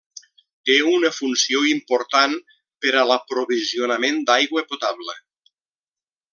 Té una funció important per a l'aprovisionament d'aigua potable.